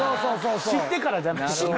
知ってからじゃないとな。